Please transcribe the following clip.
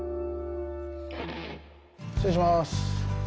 失礼します。